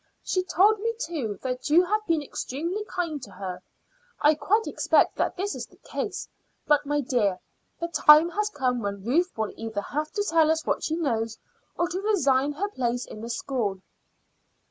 She told me, too, that you have been extremely kind to her. I quite expect that is the case. But, my dear, the time has come when Ruth will either have to tell us what she knows or to resign her place in the school."